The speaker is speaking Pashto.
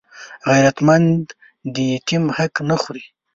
غیرتمند د یتیم حق نه خوړوي